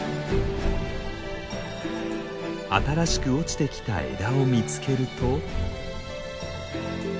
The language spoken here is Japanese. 新しく落ちてきた枝を見つけると。